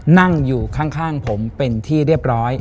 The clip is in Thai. นั่งอยู่ข้างผมเป็นที่เรียบร้อย